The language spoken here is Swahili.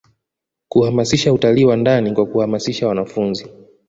kuhamasisha utali wa ndani kwa kuhamasisha wanafunzi